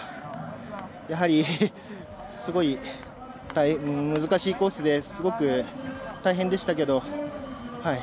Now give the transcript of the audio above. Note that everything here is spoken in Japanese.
やはりすごい難しいコースですごく大変でしたけど。